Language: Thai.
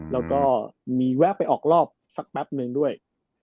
แล้วก็มีแวะไปออกรอบสักแป๊บนึงด้วย